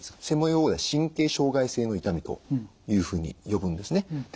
専門用語では神経障害性の痛みというふうに呼ぶんですね。